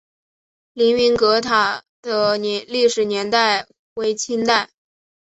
凌云阁塔的历史年代为清代。